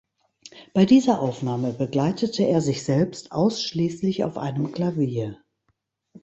Bei dieser Aufnahme begleitete er sich selbst ausschließlich auf einem Klavier.